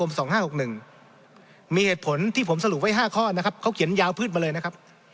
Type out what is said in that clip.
มีเหตุผลที่ผมสรุปไว้๕ข้อนะครับเขาเขียนยาวพืชมาเลยนะครับ